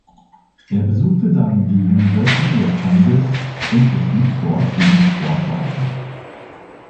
Er besuchte dann die University of Kansas und betrieb dort diesen Sport weiter.